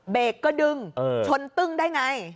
เบรกก็ดึงชนตึ้งได้ไง